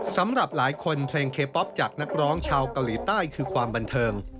สำหรับหลายคนเพลงเคป๊อปจากนักร้องชาวเกาหลีใต้คือความบันเทิง